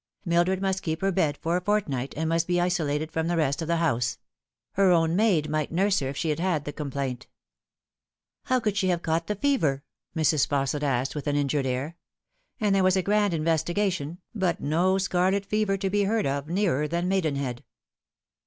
Mildred must keep her bed for a fortnight, and must be isolated from the rest of the house. Her own maid might nurse her if she had had the complaint. " How could she have caught the fever?" Mrs. Fausset asked with an injured air ; and there was a grand investigation, but no scarlet fever to be heard of nearer than Maidenhead.